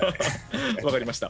分かりました。